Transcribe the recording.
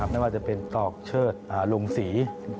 ไม่ว่าจะเป็นตอกเชิดลุงศรี